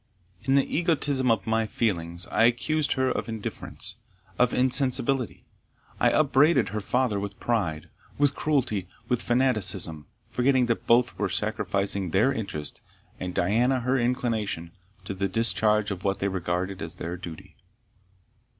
In the egotism of my feelings, I accused her of indifference of insensibility. I upbraided her father with pride with cruelty with fanaticism, forgetting that both were sacrificing their interest, and Diana her inclination, to the discharge of what they regarded as their duty.